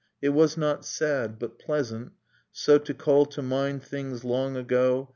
. It was not sad, but pleasant, so To call to mind things long ago .